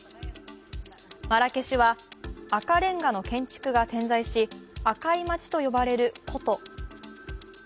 マラケシュは赤れんがの建築が点在し、赤い町と呼ばれる古都。